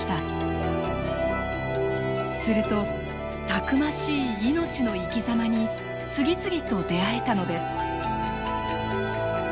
するとたくましい命の生きざまに次々と出会えたのです。